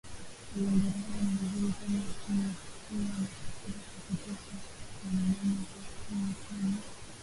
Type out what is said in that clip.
Mazingira haya ni mazuri kwani huwa na chakula cha kutosha kwa wanyama hawa kwani